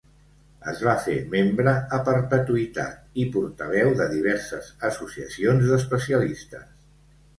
Es va fer membre a perpetuïtat i portaveu de diverses associacions d'especialistes.